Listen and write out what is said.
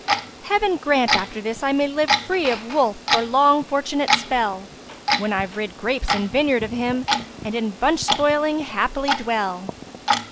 Heaven grant after this I may live * Free of Wolf for long fortunate spell When I've rid grapes and vineyard of him, * And in bunch spoiling happily dwell."